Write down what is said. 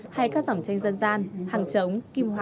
hay các dòng tranh dân gian hàng trống kim hoa